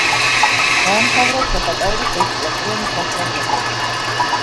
დაამთავრა ჩოხატაურის ერთკლასიანი სასწავლებელი.